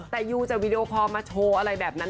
แต่ยูจะวีดีโอคอลมาโชว์อะไรแบบนั้น